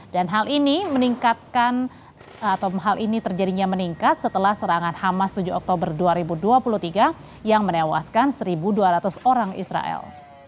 dan hal ini meningkatkan setelah serangan hamas tujuh oktober dua ribu dua puluh tiga yang menewaskan satu dua ratus orang israel